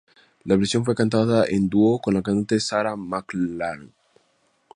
La versión fue cantada a dúo con la cantante Sarah McLachlan.